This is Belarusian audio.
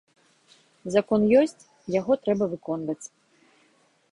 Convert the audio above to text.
Закон ёсць, яго трэба выконваць.